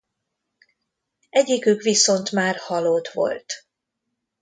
Egyikük viszont már halott volt.